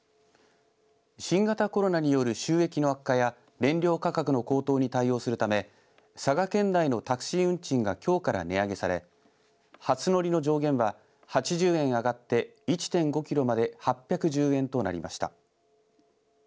新型コロナによる収益の悪化や燃料価格の高騰に対応するため佐賀県内のタクシー運賃がきょうから値上げされ初乗りの上限は８０円上がって１．５キロまで８１０円となりました。